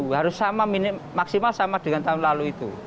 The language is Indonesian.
harus sama maksimal sama dengan tahun lalu itu